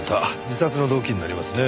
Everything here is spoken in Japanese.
自殺の動機になりますね。